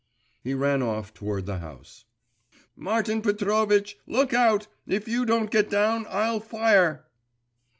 He ran off toward the house. 'Martin Petrovitch, look out! If you don't get down, I'll fire!